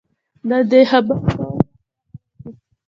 د دې خبرې کولو وخت راغلی دی.